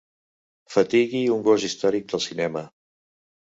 Fatigui un gos històric del cinema.